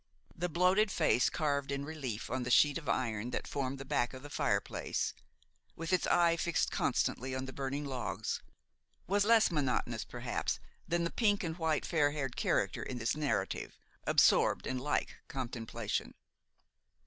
The bloated face carved in relief on the sheet of iron that formed the back of the fire place, with its eye fixed constantly on the burning logs, was less monotonous perhaps than the pink and white fair haired character in this narrative, absorbed in like contemplation.